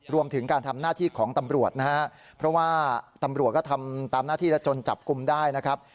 รวมถึงการทำหน้าที่ของตำรวจนะฮะเพราะว่าตำรวจก็ทำตามหน้าที่และจนจับกลุ่มได้นะครับ